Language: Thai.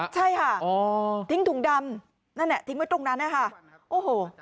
ใช่ค่ะทิ้งถุงดำนั่นแหละทิ้งไว้ตรงนั้นนะคะโอ้โห